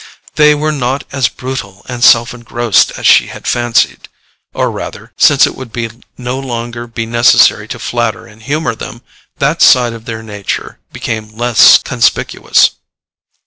They were not as brutal and self engrossed as she had fancied—or rather, since it would no longer be necessary to flatter and humour them, that side of their nature became less conspicuous.